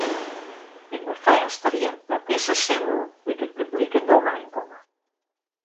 Ik befêstigje dat dizze sinnen út it publike domein komme.